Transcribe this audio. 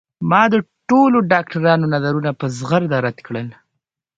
ما د ټولو ډاکترانو نظرونه په زغرده رد کړل